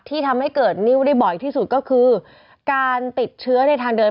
ทำให้เกิดนิ้วได้บ่อยที่สุดก็คือการติดเชื้อในทางเดิน